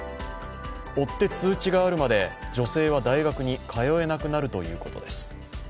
追って通知があるまで女性は大学に通えなくなるということです。